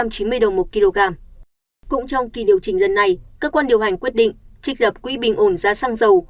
cũng trong kỳ điều chỉnh lần này cơ quan điều hành quyết định trích lập quỹ bình ổn giá xăng dầu